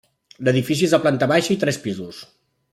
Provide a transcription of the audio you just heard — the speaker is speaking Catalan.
L'edifici és de planta baixa i tres pisos.